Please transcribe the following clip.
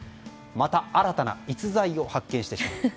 また新たな逸材を発見してしまった。